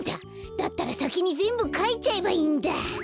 だったらさきにぜんぶかいちゃえばいいんだ。